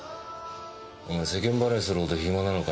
お前世間話するほど暇なのか？